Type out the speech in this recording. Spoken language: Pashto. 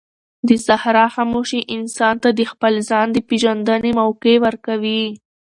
د صحرا خاموشي انسان ته د خپل ځان د پېژندنې موقع ورکوي.